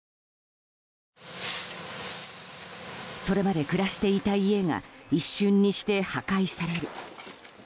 それまで暮らしていた家が一瞬にして破壊される。